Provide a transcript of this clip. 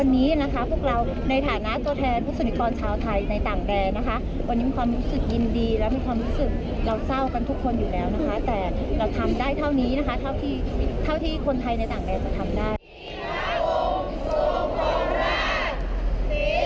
นี้คุณภาคโภษภัยเมืองโคลน